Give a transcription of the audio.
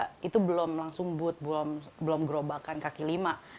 maka itu belum langsung bud belum gerobakan kaki lima